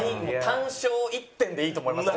単勝一点でいいと思います。